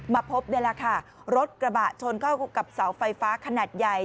พบนี่แหละค่ะรถกระบะชนเข้ากับเสาไฟฟ้าขนาดใหญ่